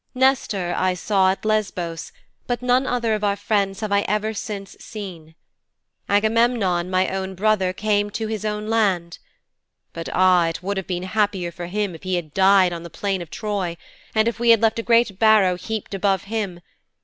Nestor I saw at Lesbos, but none other of our friends have I ever since seen. Agamemnon, my own brother, came to his own land. But ah, it would have been happier for him if he had died on the plain of Troy, and if we had left a great barrow heaped above him!